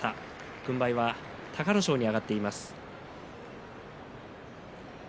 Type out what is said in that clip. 軍配は隆の勝に上がっています。